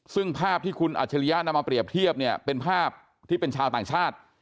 ซึ่งภาพที่คุณอัจฉริยะนำมาเปรียบเทียบเนี่ยเป็นภาพที่เป็นชาวต่างชาติ